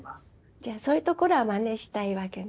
じゃあそういうところはまねしたいわけね。